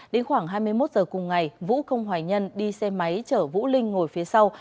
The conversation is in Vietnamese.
đến khoảng hai mươi một giờ cùng ngày vũ không hoài nhân đi xe máy chở vũ linh ngồi phía sau